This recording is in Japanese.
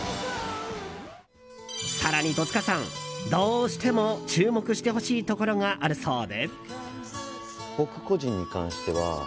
更に戸塚さん、どうしても注目してほしいところがあるそうで。